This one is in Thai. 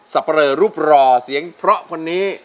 เปรอรูปรอเสียงเพราะคนนี้